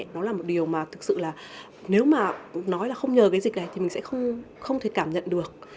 nó là một điều mà thực sự là nếu mà nói là không nhờ cái dịch này thì mình sẽ không thể cảm nhận được